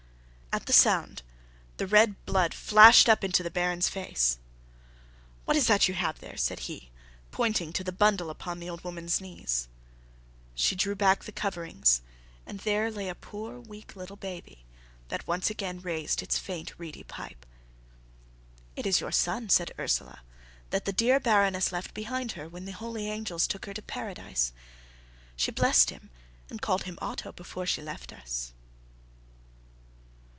At the sound the red blood flashed up into the Baron's face. "What is that you have there?" said he, pointing to the bundle upon the old woman's knees. She drew back the coverings and there lay a poor, weak, little baby, that once again raised its faint reedy pipe. "It is your son," said Ursela, "that the dear Baroness left behind her when the holy angels took her to Paradise. She blessed him and called him Otto before she left us."